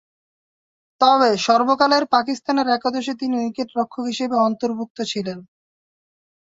তবে, সর্বকালের পাকিস্তানের একাদশে তিনি উইকেট-রক্ষক হিসেবে অন্তর্ভুক্ত ছিলেন।